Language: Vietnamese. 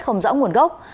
không rõ nguồn gốc